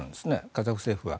カザフ政府は。